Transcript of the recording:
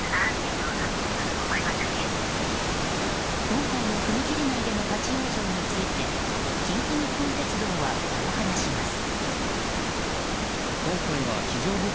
今回の踏切内での立ち往生について近畿日本鉄道はこう話します。